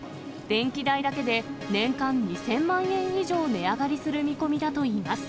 電気代だけで年間２０００万円以上値上がりする見込みだといいます。